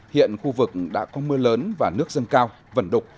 hiện khu vực đã có mưa lớn và nước dâng cao vần đục